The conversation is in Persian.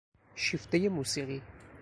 شیفتهی موسیقی